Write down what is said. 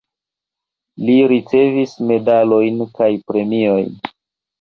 Li ricevis medalojn kaj premiojn.